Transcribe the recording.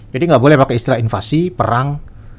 jadi nggak boleh pakai istilah invasi perang